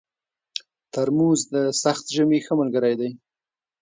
ترموز د سخت ژمي ښه ملګری دی.